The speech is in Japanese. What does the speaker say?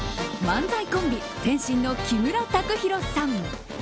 漫才コンビ、天津の木村卓寛さん。